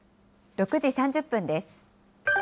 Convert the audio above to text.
６時３０分です。